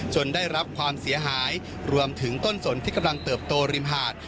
ได้รับความเสียหายรวมถึงต้นสนที่กำลังเติบโตริมหาด